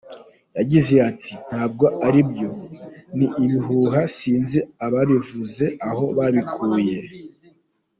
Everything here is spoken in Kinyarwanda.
Yagize ati “Ntabwo aribyo, ni ibihuha sinzi ababivuze aho babikuye”.